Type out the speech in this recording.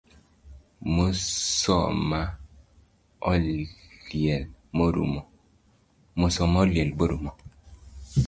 Musoma oliel morumo